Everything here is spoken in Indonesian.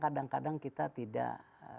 kadang kadang kita tidak